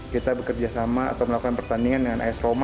kita bekerja sama atau melakukan pertandingan dengan as roma